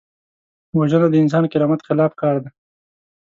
وژنه د انساني کرامت خلاف کار دی